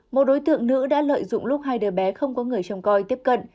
một đối tượng nữ đã lợi dụng lúc hai đứa bé không có người trông coi tiếp cận